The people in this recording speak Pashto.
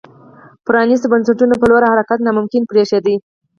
پرانیستو بنسټونو په لور حرکت ناممکن برېښېده.